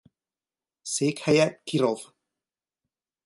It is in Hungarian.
Székhelye Kirov.